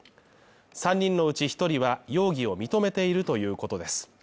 ３人のうち１人は容疑を認めているということです。